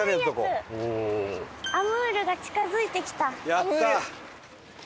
やった！